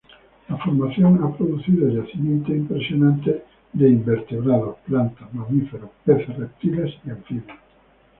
La formación ha producido yacimientos impresionantes de invertebrados, plantas, mamíferos, peces, reptiles, y anfibios.